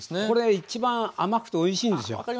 これ一番甘くておいしいんですよ。